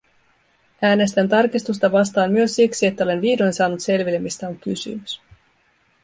Äänestän tarkistusta vastaan myös siksi, että olen vihdoin saanut selville, mistä on kysymys.